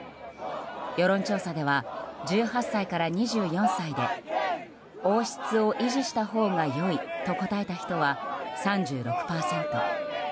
世論調査では１８歳から２４歳で王室を維持したほうが良いと答えた人は３６％。